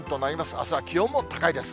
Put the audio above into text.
あすは気温も高いです。